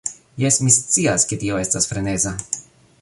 Jes, mi scias ke tio estas freneza